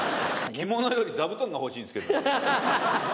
着物より座布団が欲しいんですけど。